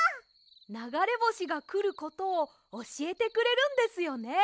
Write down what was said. ながれぼしがくることをおしえてくれるんですよね。